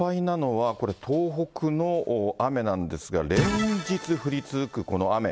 それで心配なのは、これ、東北の雨なんですが、連日降り続くこの雨。